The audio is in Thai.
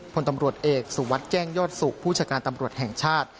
ผลตำรวจเอกสุวัสดิ์แจ้งยอดสุขผู้จัดการตำรวจแห่งชาติ